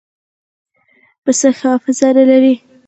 پسه ښه حافظه نه لري.